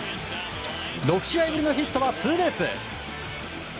６試合ぶりのヒットはツーベース。